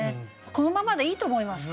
このままでいいと思います。